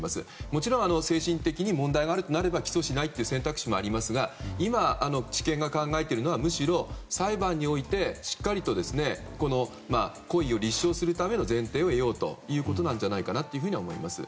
もちろん精神的に問題があれば起訴しないということもありますが今、地検が考えているのはむしろ裁判において、しっかりと行為を立証するための前提を得ようということじゃないかと思います。